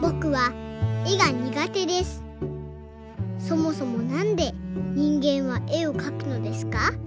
そもそもなんで人間は絵をかくのですか？